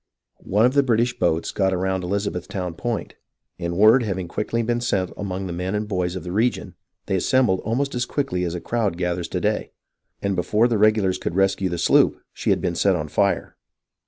One of the British boats got aground off Elizabethtown Point, and word having quickly been sent among the men and boys of the region, they assembled almost as quickly as a crowd gathers to day, and before the regulars could rescue the sloop she had been set on fire.